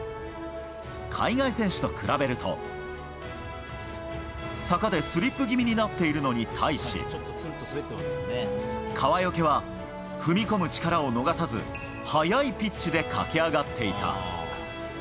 海外選手と比べると坂でスリップ気味になっているのに対し川除は踏み込む力を逃さず速いピッチで駆け上がっていた。